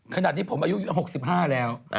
ขนาดนี้ผมอายุ๖๕แล้ว